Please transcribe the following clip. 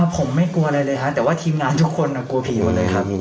ผมไม่กลัวอะไรเลยครับแต่ว่าทีมงานทุกคนกลัวผีหมดเลยครับ